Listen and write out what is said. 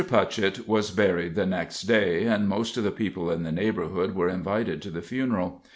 Putchett was buried the next day, and most of the people in the neighborhood were invited to the funeral.